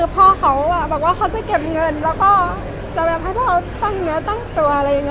พ่อเขาจะเก็บเงินแล้วให้พ่อตั้งตัว